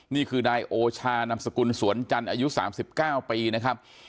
นี่คือนายโอชานัมศกุลสวรรค์จันทร์อายุสามสิบเก้าปีนะครับ